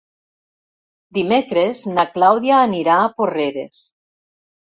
Dimecres na Clàudia anirà a Porreres.